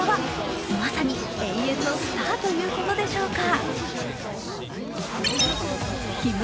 まさに永遠のスターということでしょうか。